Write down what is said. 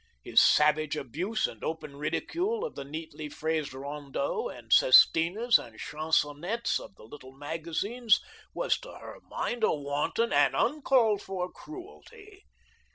His savage abuse and open ridicule of the neatly phrased rondeaux and sestinas and chansonettes of the little magazines was to her mind a wanton and uncalled for cruelty.